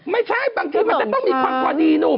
ไม่ใช่แต่ต้องมีขังษอดีนุ่ม